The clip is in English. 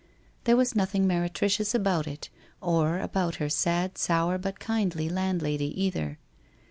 There was nothing meretricious about it, or about her sad, sour, but kindly landlady, either.